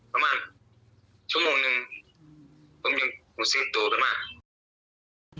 ประมาณชั่วโมงหนึ่งผมยังหนูสิ้นตัวประมาณ